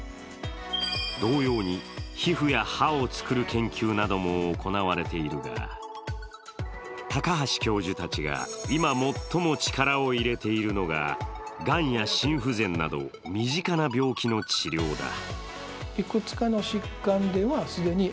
同様に、皮膚や歯を作る研究なども行われているが高橋教授たちが今最も力を入れているのががんや心不全など、身近な病気の治療だ。